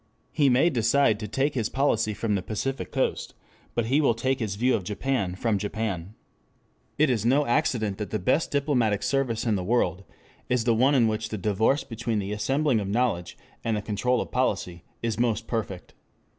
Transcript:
He may decide to take his policy from the Pacific Coast, but he will take his view of Japan from Japan. 2 It is no accident that the best diplomatic service in the world is the one in which the divorce between the assembling of knowledge and the control of policy is most perfect.